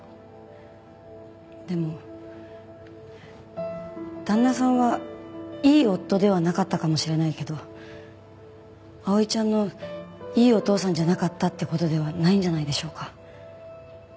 でも旦那さんはいい夫ではなかったかもしれないけど碧唯ちゃんのいいお父さんじゃなかったって事ではないんじゃないでしょうか。